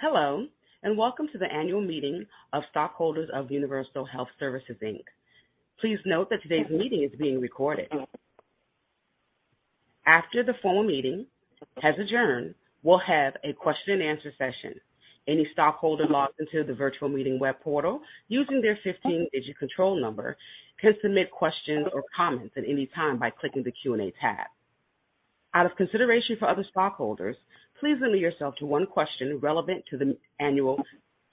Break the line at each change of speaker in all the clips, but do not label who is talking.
Hello, and welcome to the annual meeting of stockholders of Universal Health Services, Inc. Please note that today's meeting is being recorded. After the formal meeting has adjourned, we'll have a question-and-answer session. Any stockholder logged into the virtual meeting web portal using their 15-digit control number can submit questions or comments at any time by clicking the Q&A tab. Out of consideration for other stockholders, please limit yourself to one question relevant to the annual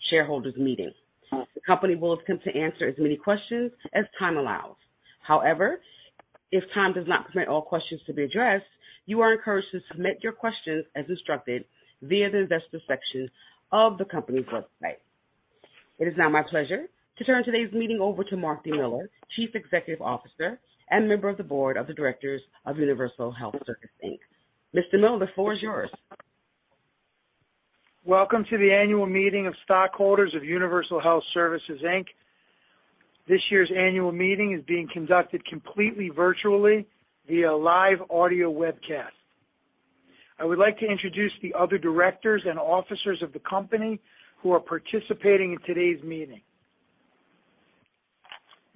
shareholders meeting. The company will attempt to answer as many questions as time allows. If time does not permit all questions to be addressed, you are encouraged to submit your questions as instructed via the investor section of the company's website. It is now my pleasure to turn today's meeting over to Marc D. Miller, Chief Executive Officer and member of the Board of Directors of Universal Health Services, Inc. Mr. Miller, the floor is yours.
Welcome to the annual meeting of stockholders of Universal Health Services, Inc. This year's annual meeting is being conducted completely virtually via live audio webcast. I would like to introduce the other directors and officers of the company who are participating in today's meeting.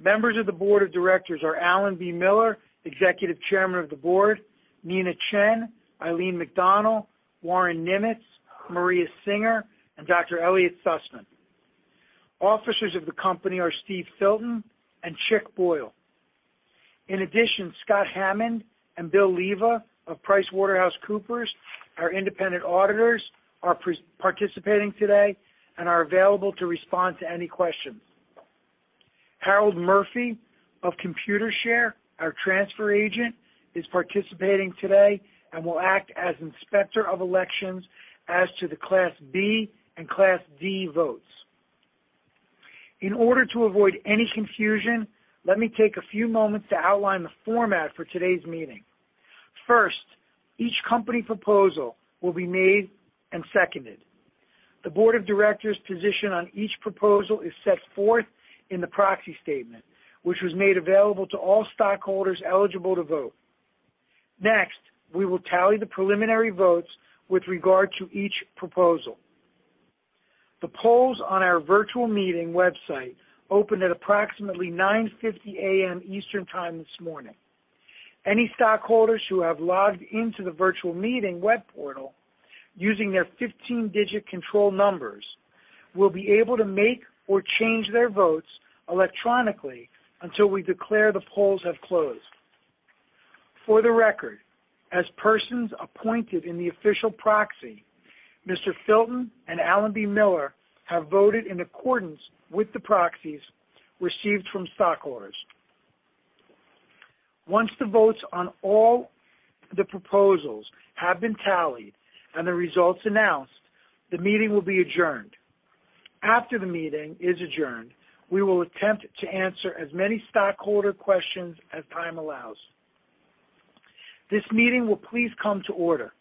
Members of the board of directors are Alan B. Miller, Executive Chairman of the Board, Nina Chen, Eileen McDonnell, Warren Nimetz, Maria Singer, and Dr. Elliot Sussman. Officers of the company are Steve Filton and Cherie Boyle. Scott Hammond and Bill LeVay of PricewaterhouseCoopers, our independent auditors, are participating today and are available to respond to any questions. Harold Murphy of Computershare, our transfer agent, is participating today and will act as inspector of elections as to the Class B and Class D votes. In order to avoid any confusion, let me take a few moments to outline the format for today's meeting. First, each company proposal will be made and seconded. The board of directors' position on each proposal is set forth in the proxy statement, which was made available to all stockholders eligible to vote. Next, we will tally the preliminary votes with regard to each proposal. The polls on our virtual meeting website opened at approximately 9:50 A.M. Eastern Time this morning. Any stockholders who have logged into the virtual meeting web portal using their 15-digit control numbers will be able to make or change their votes electronically until we declare the polls have closed. For the record, as persons appointed in the official proxy, Mr. Filton and Alan B. Miller have voted in accordance with the proxies received from stockholders. Once the votes on all the proposals have been tallied and the results announced, the meeting will be adjourned. After the meeting is adjourned, we will attempt to answer as many stockholder questions as time allows. This meeting will please come to order.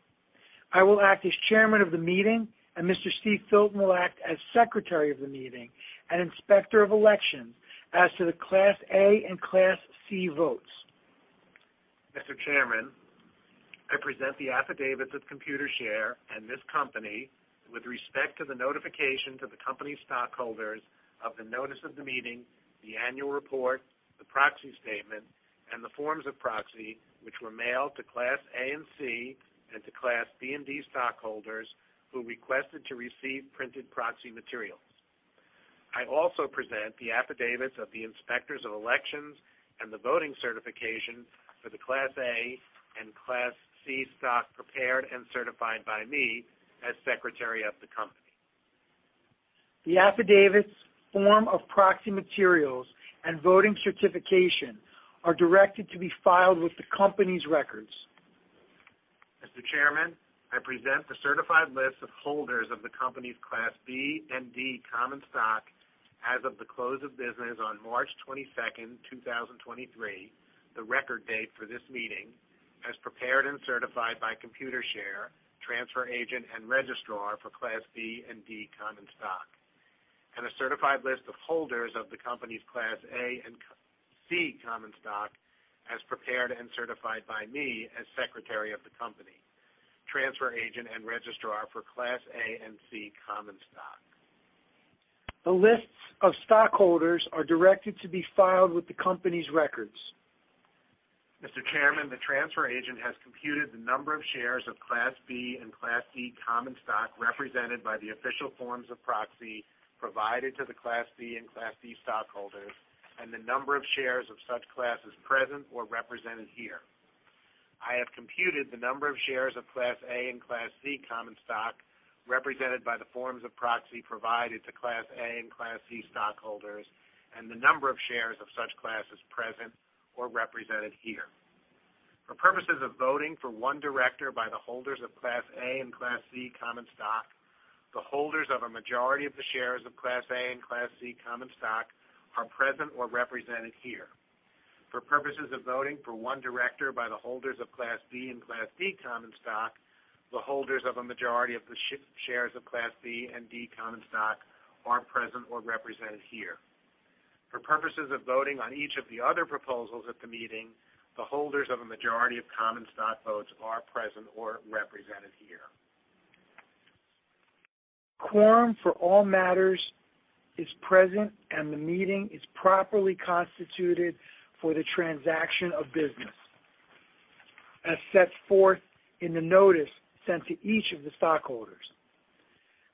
I will act as Chairman of the meeting, and Mr. Steve Filton will act as Secretary of the meeting and Inspector of Elections as to the Class A and Class C votes.
Mr. Chairman, I present the affidavits of Computershare and this company with respect to the notification to the company's stockholders of the notice of the meeting, the annual report, the proxy statement, and the forms of proxy, which were mailed to Class A and C and to Class B and D stockholders who requested to receive printed proxy materials. I also present the affidavits of the inspectors of elections and the voting certification for the Class A and Class C stock prepared and certified by me as Secretary of the company.
The affidavits, form of proxy materials, and voting certification are directed to be filed with the company's records.
Mr. Chairman, I present the certified list of holders of the company's Class B and D common stock as of the close of business on March 22nd, 2023, the record date for this meeting, as prepared and certified by Computershare, transfer agent and registrar for Class B and D common stock. A certified list of holders of the company's Class A and C common stock as prepared and certified by me as Secretary of the company, transfer agent and registrar for Class A and C common stock.
The lists of stockholders are directed to be filed with the company's records.
Mr. Chairman, the transfer agent has computed the number of shares of Class B and Class C common stock represented by the official forms of proxy provided to the Class B and Class C stockholders and the number of shares of such classes present or represented here. I have computed the number of shares of Class A and Class C common stock represented by the forms of proxy provided to Class A and Class C stockholders and the number of shares of such classes present or represented here. For purposes of voting for one director by the holders of Class A and Class C common stock, the holders of a majority of the shares of Class A and Class C common stock are present or represented here. For purposes of voting for one director by the holders of Class B and Class D common stock, the holders of a majority of the shares of Class B and D common stock are present or represented here.
For purposes of voting on each of the other proposals at the meeting, the holders of a majority of common stock votes are present or represented here.
Quorum for all matters is present and the meeting is properly constituted for the transaction of business as set forth in the notice sent to each of the stockholders.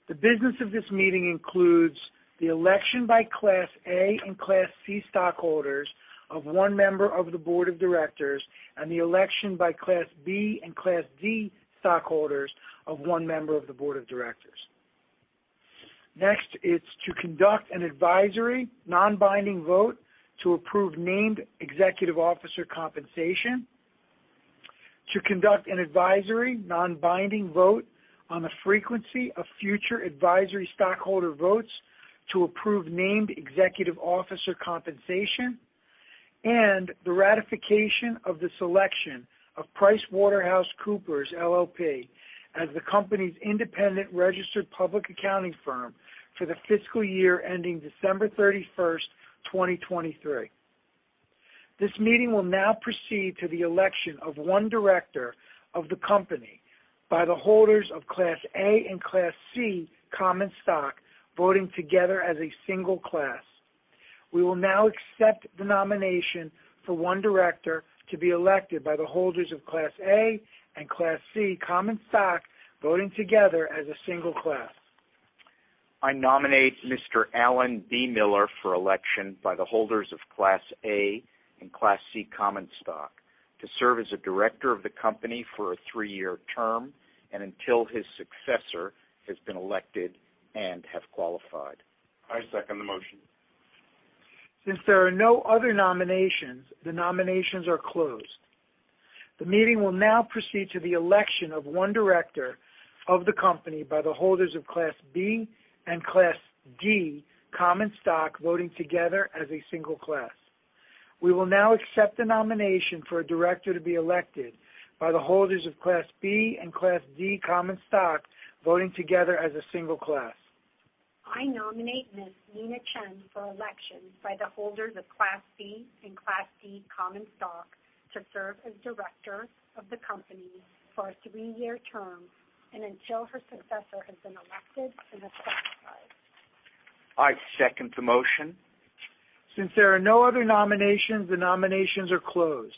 The business of this meeting includes the election by Class A and Class C stockholders of one member of the board of directors and the election by Class B and Class D stockholders of one member of the board of directors. Next is to conduct an advisory non-binding vote to approve named executive officer compensation, to conduct an advisory non-binding vote on the frequency of future advisory stockholder votes to approve named executive officer compensation, and the ratification of the selection of PricewaterhouseCoopers LLP as the company's independent registered public accounting firm for the fiscal year ending December 31st, 2023. This meeting will now proceed to the election of one director of the company by the holders of Class A and Class C common stock voting together as a single class. We will now accept the nomination for one director to be elected by the holders of Class A and Class C common stock voting together as a single class.
I nominate Mr. Alan B. Miller for election by the holders of Class A and Class C common stock to serve as a director of the company for a three-year term and until his successor has been elected and have qualified.
I second the motion.
Since there are no other nominations, the nominations are closed. The meeting will now proceed to the election of one director of the company by the holders of Class B and Class D common stock voting together as a single class. We will now accept the nomination for a director to be elected by the holders of Class B and Class D common stock voting together as a single class.
I nominate Ms. Nina Chen-Langenmayr for election by the holders of Class B and Class D common stock to serve as director of the company for a three-year term and until her successor has been elected and has qualified.
I second the motion.
Since there are no other nominations, the nominations are closed.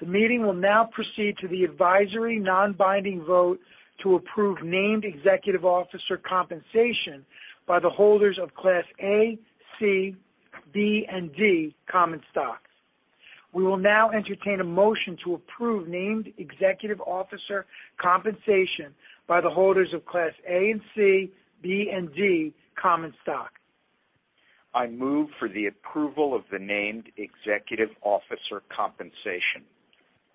The meeting will now proceed to the advisory non-binding vote to approve named executive officer compensation by the holders of Class A, C, B, and D common stocks. We will now entertain a motion to approve named executive officer compensation by the holders of Class A and C, B and D common stock.
I move for the approval of the named executive officer compensation.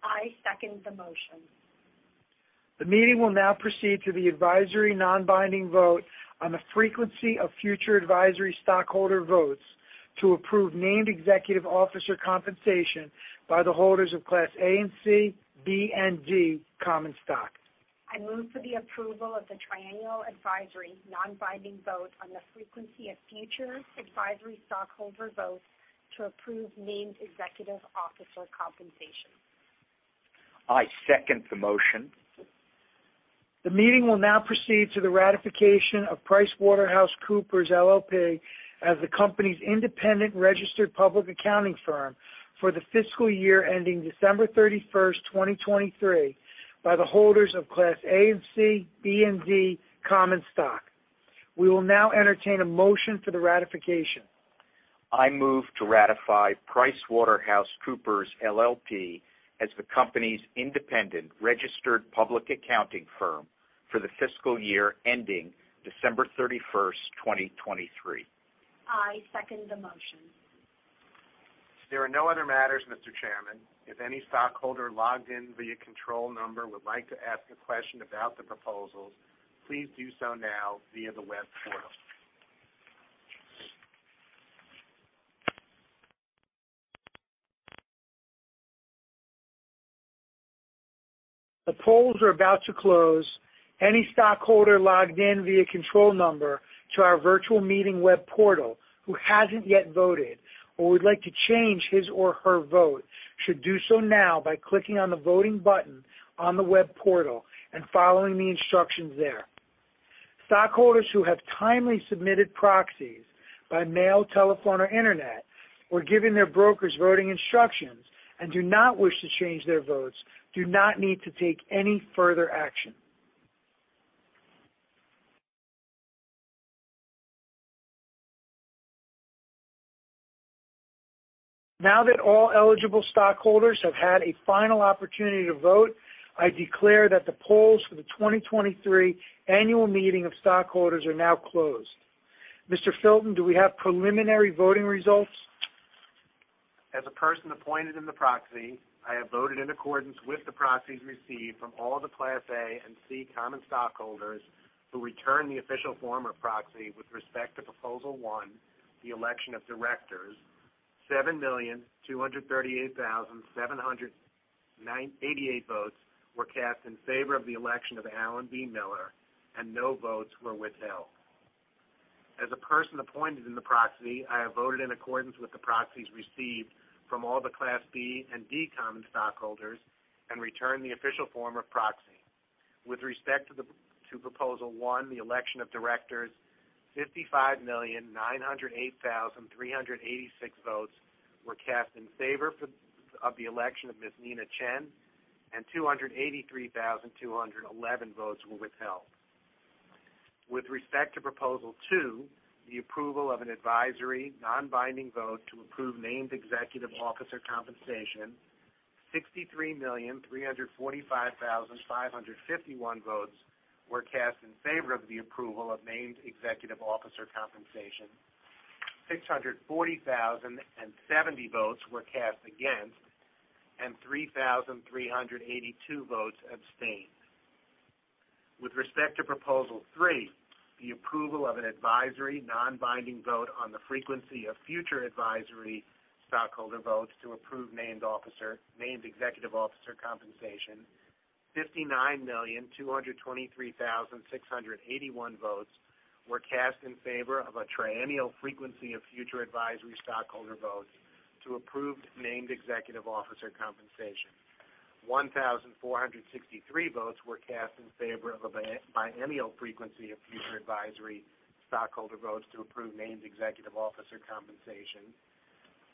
I second the motion.
The meeting will now proceed to the advisory non-binding vote on the frequency of future advisory stockholder votes to approve named executive officer compensation by the holders of Class A and C, B and D common stock.
I move for the approval of the triennial advisory non-binding vote on the frequency of future advisory stockholder votes to approve named executive officer compensation.
I second the motion.
The meeting will now proceed to the ratification of PricewaterhouseCoopers LLP as the company's independent registered public accounting firm for the fiscal year ending December 31st, 2023 by the holders of Class A and C, B and D common stock. We will now entertain a motion for the ratification.
I move to ratify PricewaterhouseCoopers LLP as the company's independent registered public accounting firm for the fiscal year ending December thirty-first, 2023.
I second the motion.
There are no other matters, Mr. Chairman. If any stockholder logged in via control number would like to ask a question about the proposals, please do so now via the web portal.
The polls are about to close. Any stockholder logged in via control number to our virtual meeting web portal who hasn't yet voted or would like to change his or her vote should do so now by clicking on the voting button on the web portal and following the instructions there. Stockholders who have timely submitted proxies by mail, telephone, or internet, or given their brokers voting instructions and do not wish to change their votes do not need to take any further action. Now that all eligible stockholders have had a final opportunity to vote, I declare that the polls for the 2023 annual meeting of stockholders are now closed. Mr. Filton, do we have preliminary voting results?
As a person appointed in the proxy, I have voted in accordance with the proxies received from all the Class A and C common stockholders who returned the official form of proxy with respect to Proposal one, the election of directors. 7,238,788 votes were cast in favor of the election of Alan B. Miller, and no votes were withheld. As a person appointed in the proxy, I have voted in accordance with the proxies received from all the Class B and D common stockholders and returned the official form of proxy. With respect to Proposal one, the election of directors, 55,908,386 votes were cast in favor of the election of Ms. Nina Chen-Langenmayr, and 283,211 votes were withheld. With respect to proposal two, the approval of an advisory non-binding vote to approve named executive officer compensation, 63,345,551 votes were cast in favor of the approval of named executive officer compensation. 640,070 votes were cast against, and 3,382 votes abstained. With respect to proposal three, the approval of an advisory non-binding vote on the frequency of future advisory stockholder votes to approve named executive officer compensation, 59,223,681 votes were cast in favor of a triennial frequency of future advisory stockholder votes to approve named executive officer compensation. 1,463 votes were cast in favor of a bi-biennial frequency of future advisory stockholder votes to approve named executive officer compensation.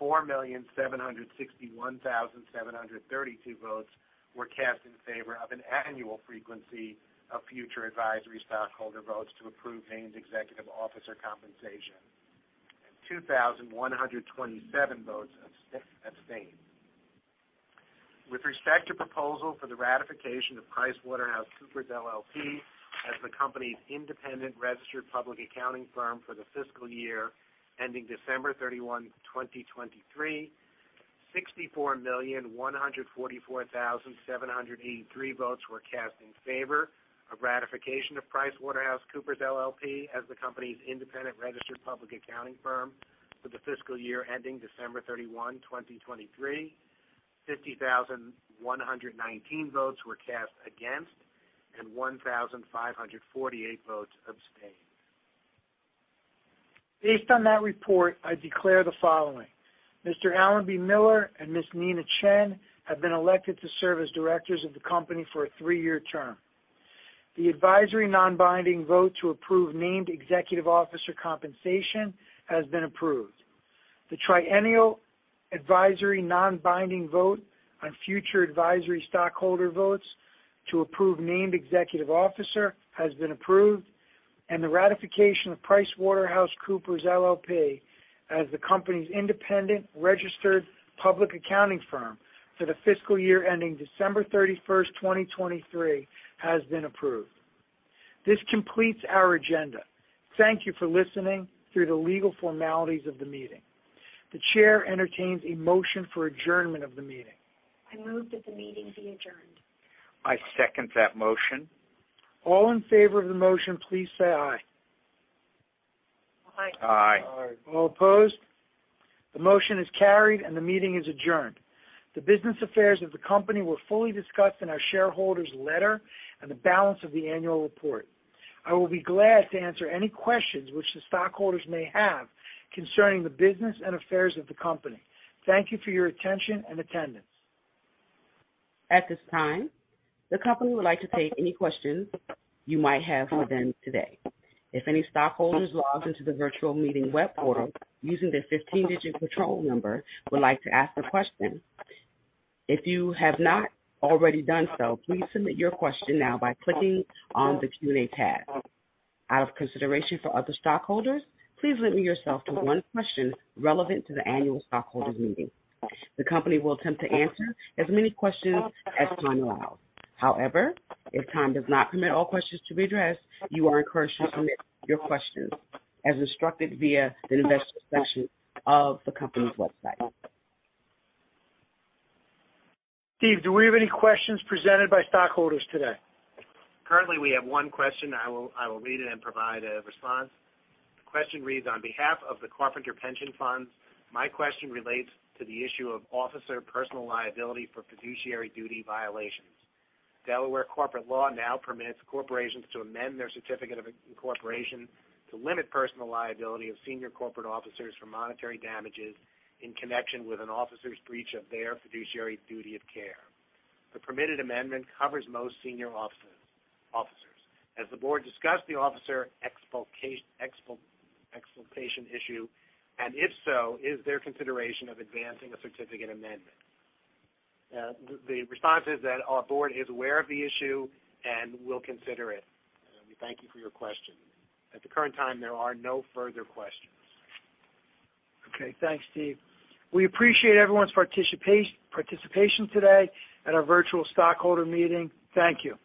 4,761,732 votes were cast in favor of an annual frequency of future advisory stockholder votes to approve named executive officer compensation. 2,127 votes abstained. With respect to proposal for the ratification of PricewaterhouseCoopers LLP as the company's independent registered public accounting firm for the fiscal year ending December 31, 2023, 64,144,783 votes were cast in favor of ratification of PricewaterhouseCoopers LLP as the company's independent registered public accounting firm for the fiscal year ending December 31, 2023. 50,119 votes were cast against, and 1,548 votes abstained.
Based on that report, I declare the following. Mr. Alan B. Miller and Ms. Nina Chen-Langenmayr have been elected to serve as directors of the company for a three-year term. The advisory non-binding vote to approve named executive officer compensation has been approved. The triennial advisory non-binding vote on future advisory stockholder votes to approve named executive officer has been approved. The ratification of PricewaterhouseCoopers LLP as the company's independent registered public accounting firm for the fiscal year ending December 31st, 2023, has been approved. This completes our agenda. Thank you for listening through the legal formalities of the meeting. The chair entertains a motion for adjournment of the meeting.
I move that the meeting be adjourned.
I second that motion.
All in favor of the motion, please say aye.
Aye.
Aye.
All opposed. The motion is carried and the meeting is adjourned. The business affairs of the company were fully discussed in our shareholders' letter and the balance of the annual report. I will be glad to answer any questions which the stockholders may have concerning the business and affairs of the company. Thank you for your attention and attendance.
At this time, the company would like to take any questions you might have for them today. If any stockholders logged into the virtual meeting web portal using their 15-digit control number would like to ask a question. If you have not already done so, please submit your question now by clicking on the Q&A tab. Out of consideration for other stockholders, please limit yourself to one question relevant to the annual stockholders meeting. The company will attempt to answer as many questions as time allows. However, if time does not permit all questions to be addressed, you are encouraged to submit your questions as instructed via the Investor section of the company's website.
Steve, do we have any questions presented by stockholders today?
Currently, we have one question. I will read it and provide a response. The question reads, "On behalf of the Carpenter Pension Funds, my question relates to the issue of officer personal liability for fiduciary duty violations. Delaware corporate law now permits corporations to amend their certificate of incorporation to limit personal liability of senior corporate officers for monetary damages in connection with an officer's breach of their fiduciary duty of care. The permitted amendment covers most senior officers. Has the board discussed the officer exculpation issue, and if so, is there consideration of advancing a certificate amendment?" The response is that our board is aware of the issue and will consider it. We thank you for your question. At the current time, there are no further questions.
Okay. Thanks, Steve. We appreciate everyone's participation today at our virtual stockholder meeting. Thank you.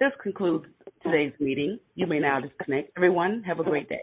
This concludes today's meeting. You may now disconnect. Everyone, have a great day.